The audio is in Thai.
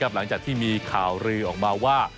หลังจากที่มีข่าวลือออกมาว่า